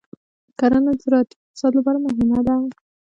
کرنه د زراعتي اقتصاد لپاره مهمه ده.